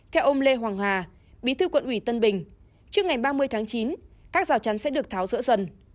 theo ông lê hoàng hà bí thư quận ủy tân bình trước ngày ba mươi tháng chín các rào chắn sẽ được tháo rỡ dần